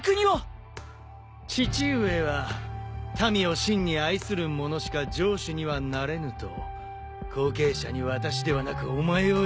父上は「民を真に愛する者しか城主にはなれぬ」と後継者に私ではなくお前を選んだ。